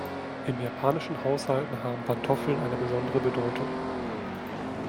In japanischen Haushalten haben Pantoffeln eine besondere Bedeutung.